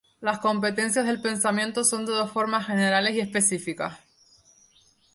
Las competencias del pensamiento son de dos formas generales y específicas.